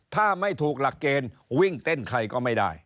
ถ้าไม่ถูกหลักเกณฑ์วิ่งเต้นใครก็ไม่ได้